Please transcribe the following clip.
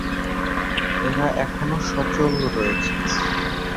এরা এখনও সচল রয়েছে।